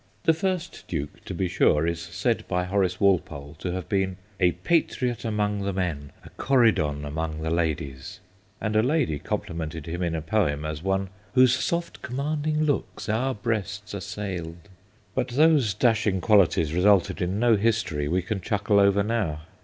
The first Duke, to be 28 THE GHOSTS OF PICCADILLY sure, is said by Horace Walpole to have been ' a patriot among the men, a Corydon among the ladies/ and a lady complimented him in a poem as one * Whose soft commanding looks our breasts assailed,' but those dashing qualities resulted in no history we can chuckle over now.